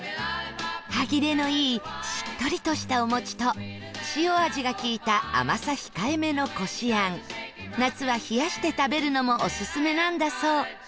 歯切れのいいしっとりとしたおもちと塩味が利いた甘さ控えめのこし餡夏は冷やして食べるのもオススメなんだそう